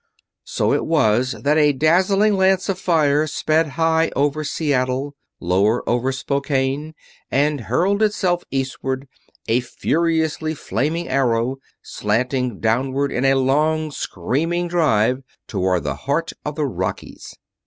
So it was that a dazzling lance of fire sped high over Seattle, lower over Spokane, and hurled itself eastward, a furiously flaming arrow; slanting downward in a long, screaming dive toward the heart of the Rockies.